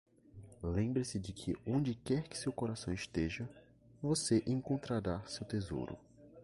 Lembre-se de que onde quer que seu coração esteja, você encontrará seu tesouro.